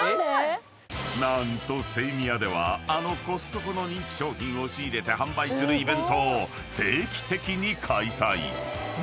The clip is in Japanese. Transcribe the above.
［何とセイミヤではあのコストコの人気商品を仕入れて販売するイベントを定期的に開催］